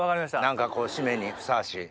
何かこう締めにふさわしい。